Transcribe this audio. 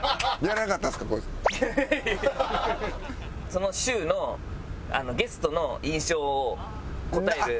その週のゲストの印象を答える。